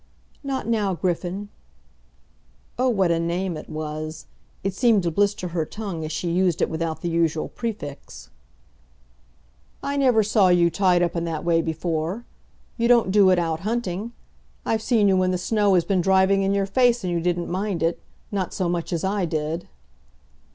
"Not now, Griffin." Oh, what a name it was! It seemed to blister her tongue as she used it without the usual prefix. "I never saw you tied up in that way before. You don't do it out hunting. I've seen you when the snow has been driving in your face, and you didn't mind it, not so much as I did."